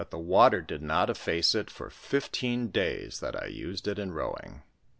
48 water did not efface it for fifteen days that I used it in row ing.